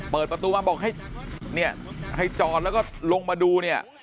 เปิดประตูมาบอกให้จอดแล้วก็ลงมาดู